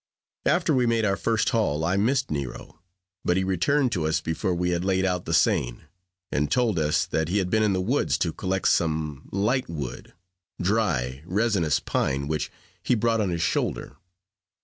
After we made our first haul, I missed Nero; but he returned to us before we had laid out the seine, and told us that he had been in the woods to collect some light wood dry, resinous pine which he brought on his shoulder.